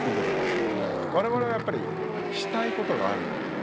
我々はやっぱりしたいことがあるので最初に。